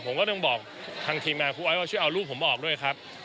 ผมก็ต้องบอกทางทีมงานครูไอ้ว่าช่วยเอารูปผมออกด้วยครับ